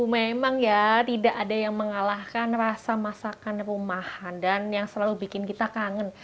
memang ya tidak ada yang mengalahkan rasa masakan rumahan dan yang selalu bikin kita kangen